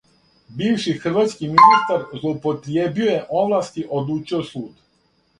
Бивши хрватски министар злоупотријебио овласти, одлучио суд